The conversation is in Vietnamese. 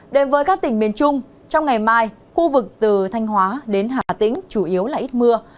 đến với các tỉnh miền trung trong ngày mai khu vực từ thanh hóa đến hà tĩnh chủ yếu là ít mưa